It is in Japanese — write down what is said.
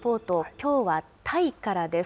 きょうはタイからです。